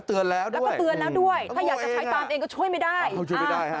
กินให้ดูเลยค่ะว่ามันปลอดภัย